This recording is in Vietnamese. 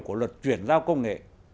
của luật chuyển giao công nghệ